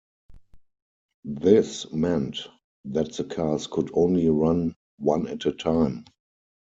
This meant that the cars could only run one-at-a-time.